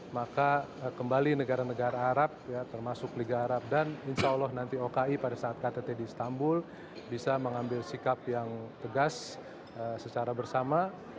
maka kembali negara negara arab termasuk liga arab dan insya allah nanti oki pada saat ktt di istanbul bisa mengambil sikap yang tegas secara bersama